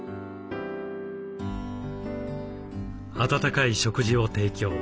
温かい食事を提供。